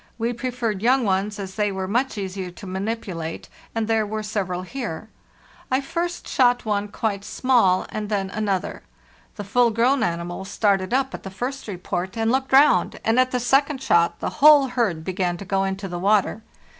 We preferred young ones, as they were much easier to manipulate; and there were several here. I first shot one quite small, and then another. 'The full grown animals started . p THE SOURNEY SOUTHWARD 57 at the first report and looked round, and at_ the second shot the whole herd began to go into the water.